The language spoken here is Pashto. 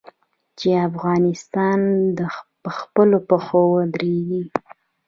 چې افغانستان په خپلو پښو ودریږي.